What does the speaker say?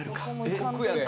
えっ？